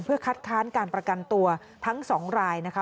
เพื่อคัดค้านการประกันตัวทั้งสองรายนะคะ